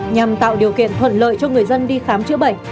nhằm tạo điều kiện thuận lợi cho người dân đi khám chữa bệnh